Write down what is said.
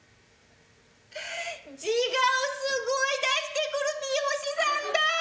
自我をすごい出してくる美容師さんだ！